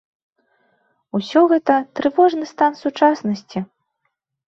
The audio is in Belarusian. Усё гэта трывожны стан сучаснасці.